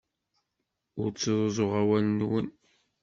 Ur ttruẓuɣ awal-nwen.